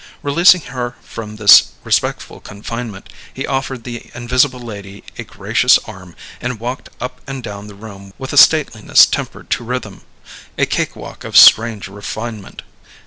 Releasing her from this respectful confinement, he offered the invisible lady a gracious arm and walked up and down the room with a stateliness tempered to rhythm, a cakewalk of strange refinement.